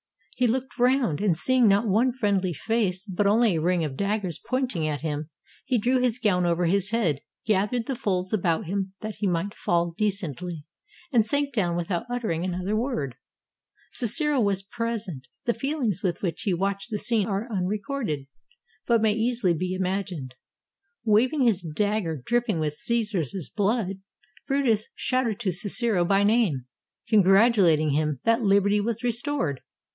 He looked round, and seeing not one friendly face, but only a ring of daggers pointing at him, he drew his gown over his head, gathered the folds about him that he might fall decently, and sank down without uttering another word. Cicero was present. The feelings with which he watched the scene are unrecorded, but may easily be imagined. Waving his dagger, dripping with Caesar's blood, Brutus shouted to Cicero by name, congratulat ing him that liberty was restored.